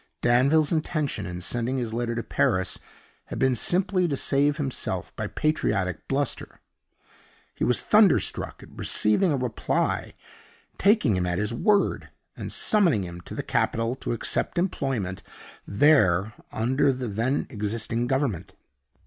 Danville's intention, in sending his letter to Paris, had been simply to save himself by patriotic bluster. He was thunderstruck at receiving a reply, taking him at his word, and summoning him to the capital to accept employment there under the then existing Government.